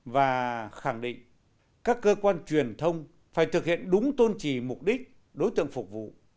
và khẳng định các cơ quan truyền thông phải thực hiện đúng tôn trì mục đích đối tượng phục vụ